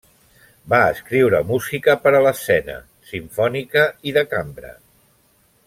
Va escriure música per a l'escena, simfònica i de cambra.